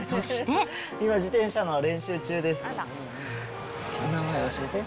今、自転車の練習中です。